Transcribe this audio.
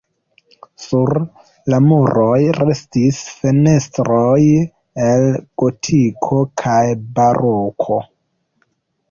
Sur la muroj restis fenestroj el gotiko kaj baroko.